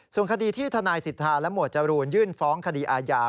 ส่วนคดีที่ทนายสิทธาและหมวดจรูนยื่นฟ้องคดีอาญา